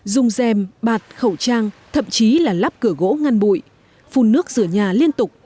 dùng dèm bạt khẩu trang thậm chí là lắp cửa gỗ ngăn bụi phun nước rửa nhà liên tục